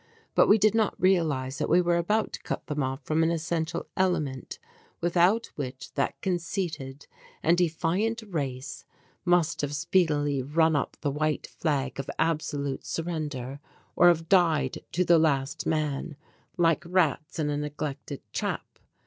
But we did not realize that we were about to cut them off from an essential element without which that conceited and defiant race must have speedily run up the white flag of absolute surrender or have died to the last man, like rats in a neglected trap.